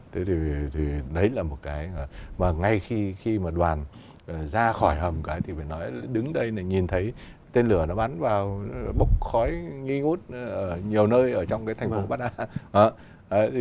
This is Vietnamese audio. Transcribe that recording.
thế thì đấy là một cái mà ngay khi mà đoàn ra khỏi hầm cái thì phải nói đứng đây nhìn thấy tên lửa nó bắn vào bốc khói nghi ngút ở nhiều nơi ở trong cái thành phố bát an